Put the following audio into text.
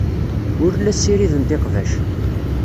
Ur la ssirident iqbac.